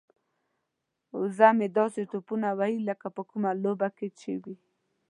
وزه مې داسې ټوپونه وهي لکه په کومه لوبه کې چې وي.